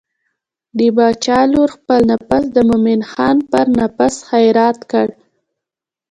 د باچا لور خپل نفس د مومن خان پر نفس خیرات کړ.